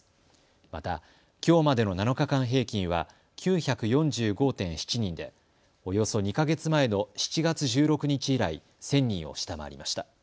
またきょうまでの７日間平均は９４５．７人でおよそ２か月前の７月１６日以来、１０００人を下回りました。